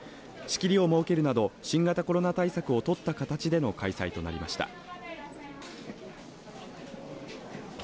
仕切りを設けるなど、新型コロナ対策を取った形での開催となりました。